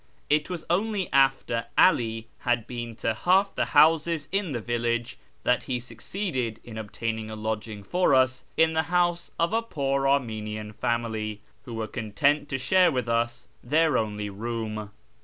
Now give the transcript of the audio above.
It was only after 'Ali had been to haK the houses in the village that he succeeded in obtaining a lodging for us in the house of a poor Armenian family, who were content to share with us their only room.